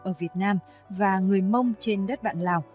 ở việt nam và người mông trên đất bạn lào